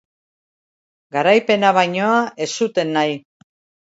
Garaipena bainoa ez zuten nahi.